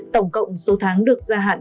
tổng cộng số tháng được gia hạn